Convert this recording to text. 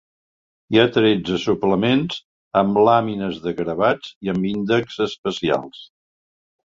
Hi ha tretze suplements amb làmines de gravats i amb índex especials.